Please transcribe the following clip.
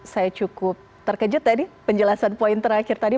saya cukup terkejut tadi penjelasan poin terakhir tadi